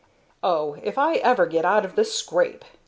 "Oh! If I ever get out of this scrape!"